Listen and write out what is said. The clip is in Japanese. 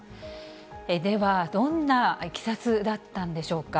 では、どんないきさつだったんでしょうか。